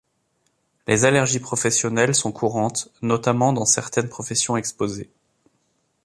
Les allergies professionnelles sont courantes, notamment dans certaines professions exposées.